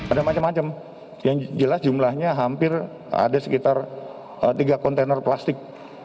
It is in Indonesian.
ada macam macam yang jelas jumlahnya hampir ada sekitar tiga kontainer plastik